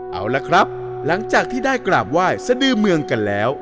เอาละครับหลังจากที่ได้กราบไหว้สะดือเมืองกันแล้ว